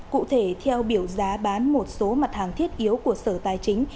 cụ thể theo biểu giá bán một số mặt hàng thiết yếu của sở tài chính